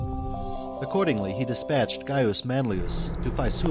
Accordingly he despatched Gaius Manlius to Faesu chap.